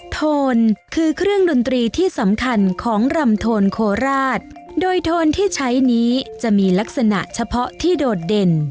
โทนคือเครื่องดนตรีที่สำคัญของรำโทนโคราชโดยโทนที่ใช้นี้จะมีลักษณะเฉพาะที่โดดเด่น